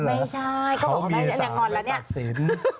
ไม่ใช่ก็บอกว่าอันนี้อังกฎแล้วนี่